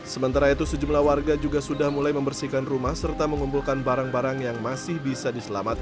sementara itu sejumlah warga juga sudah mulai membersihkan rumah serta mengumpulkan barang barang yang masih bisa diselamatkan